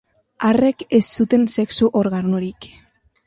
Arrek ez zuten sexu organorik.